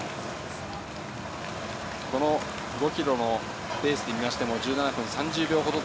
この５ｋｍのペースで見ても１７分３０秒ほど。